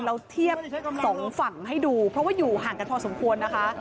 เราเทียบสองฝั่งให้ดูเพราะว่าอยู่ห่างกันพอสมควรนะคะ